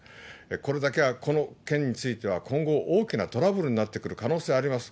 これだけこの件については、今後、大きなトラブルになってくる可能性があります。